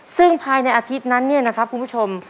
ซึ่งภายในอาทิตย์นั้นเนี่ยนะครับคุณผู้ชม